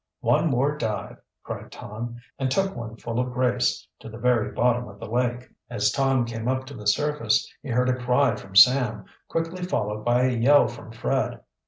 "One more dive!" cried Tom and took one full of grace, to the very bottom of the lake. As Tom came up to the surface he heard a cry from Sam, quickly followed by a yell from Fred.